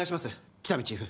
喜多見チーフ